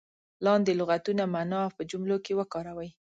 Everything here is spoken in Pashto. لاندې لغتونه معنا او په جملو کې وکاروئ.